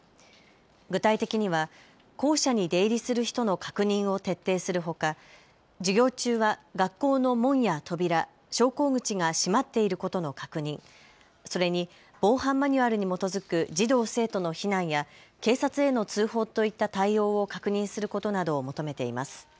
具体的には校舎に出入りする人の確認を徹底するほか、授業中は学校の門や扉、昇降口が閉まっていることの確認、それに防犯マニュアルに基づく児童生徒の避難や警察への通報といった対応を確認することなどを求めています。